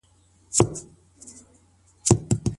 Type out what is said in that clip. خاوند او ميرمن بايد خپله شخړه څنګه تنظيم کړي؟